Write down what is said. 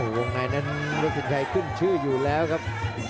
วงในนั้นลูกสินชัยขึ้นชื่ออยู่แล้วครับ